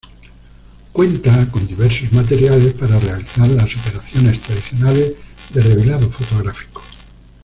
Cuenta con diversos materiales para realizar las operaciones tradicionales de revelado fotográfico.